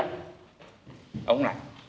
ông không làm